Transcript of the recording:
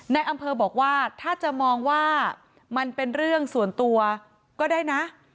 ในอำเภอบอกว่าถ้าจะมองว่ามันเป็นเรื่องส่วนตัวก็ได้นะ